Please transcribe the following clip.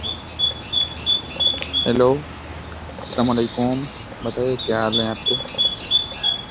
However, he failed to qualify for the quarter finals in Beijing.